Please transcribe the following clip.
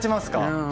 うん。